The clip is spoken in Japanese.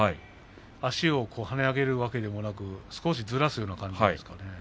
足を跳ね上げるわけでもなく少しずらすような感じですかね。